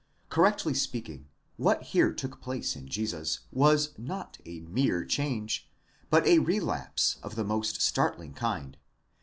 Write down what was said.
Correctly speaking, what here took place in Jesus was not a mere change, but a relapse of the most startling kind.